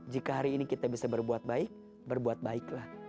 jika hari ini kita bisa berbuat baik berbuat baiklah